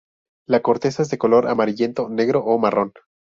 La corteza es de color amarillento negro o marrón.